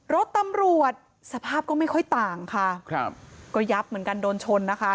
รถตำรวจสภาพก็ไม่ค่อยต่างค่ะครับก็ยับเหมือนกันโดนชนนะคะ